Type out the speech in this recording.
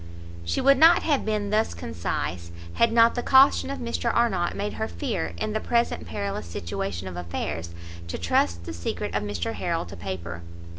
She would not have been thus concise, had not the caution of Mr Arnott made her fear, in the present perilous situation of affairs, to trust the secret of Mr Harrel to paper.